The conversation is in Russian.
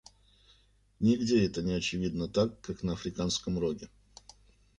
Нигде это не очевидно так, как на Африканском Роге.